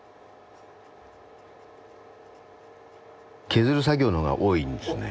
削る作業の方が多いんですね。